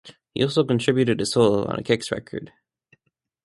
He also contributed a solo on a Kix record.